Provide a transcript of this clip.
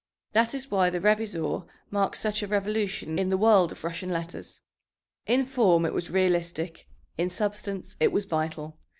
That is why the Revizor marks such a revolution in the world of Russian letters. In form it was realistic, in substance it was vital.